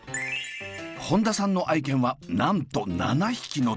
本田さんの愛犬はなんと７匹の大家族！